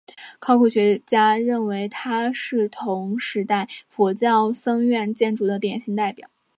考古学家认为它是同时代佛教僧院建筑的典型代表。